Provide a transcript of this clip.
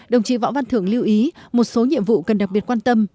đồng chí võ văn thưởng lưu ý một số nhiệm vụ cần đặc biệt quan tâm